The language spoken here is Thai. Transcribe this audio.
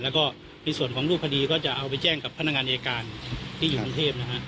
แล้วก็ในส่วนของรูปคดีก็จะเอาไปแจ้งกับพนักงานอายการที่อยู่ในเทพนะฮะ